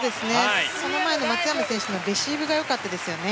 その前の松山選手のレシーブがよかったですよね。